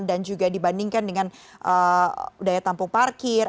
dan juga dibandingkan dengan daya tampung parkir